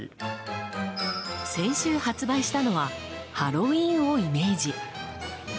先週発売したのはハロウィーンをイメージ。